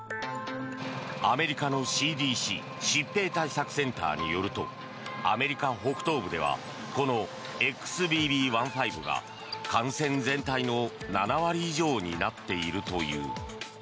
アメリカのＣＤＣ・疾病対策センターによるとアメリカ北東部ではこのＸＢＢ．１．５が感染全体の７割以上になっているという。